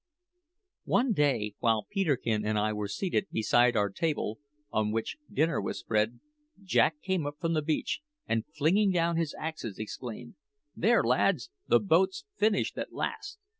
One day, while Peterkin and I were seated beside our table, on which dinner was spread, Jack came up from the beach, and flinging down his axe, exclaimed: "There, lads, the boat's finished at last!